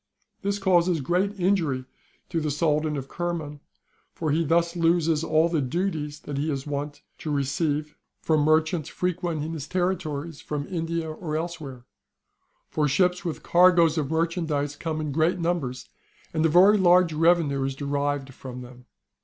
This causes great injury to the Soldan of Kerman ; for he thus loses all the duties that he is wont to receive from merchants 2 c 2 3o2 MARCO POLO. Book 111. frequenting his territories from India or elsewhere; for ships with cargoes of merchandize come in great numbers, and a very large revenue is derived from them.